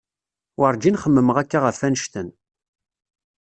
Werǧin xemmemeɣ akka ɣef annect-en.